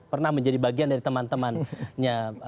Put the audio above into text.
pernah menjadi bagian dari teman temannya